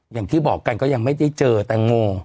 อย่างที่บอกกันก็ยังไม่ได้เจอแตงโม